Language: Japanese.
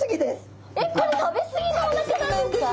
えっこれ食べ過ぎのおなかなんですか？